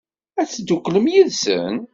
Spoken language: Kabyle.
Ad tedduklem yid-sent?